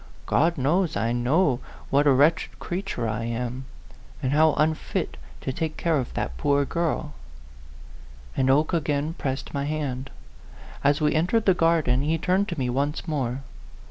God knows, I know what a wretched creat 126 A PHANTOM LOVER. ure I am, and how unfit to take care of that poor girl." And Oke again pressed iny hand. As we entered the garden, he turned to me once more.